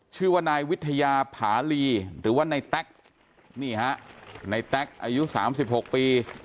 ชื่อว่านายวิทยาผาลีหรือว่าในแต๊กนี่ฮะในแต๊กอายุ๓๖ปี